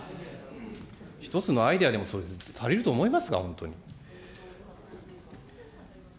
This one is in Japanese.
一つのアイデアで、足りると思いますか、本当に。